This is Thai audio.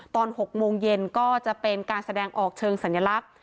ตอน๖โมงเย็นก็จะเป็นการแสดงออกเชิงสัญลักษณ์